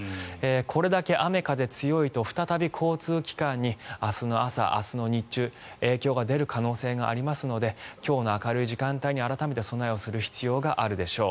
これだけ雨風強いと再び交通機関に明日の朝、明日の日中影響が出る可能性がありますので今日の明るい時間帯に、改めて備えをする必要があるでしょう。